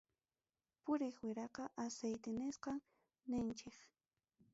Puriq wiraqa aceite nisqam ninchik.